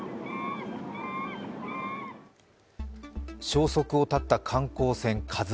消息を絶った観光船「ＫＡＺＵⅠ」。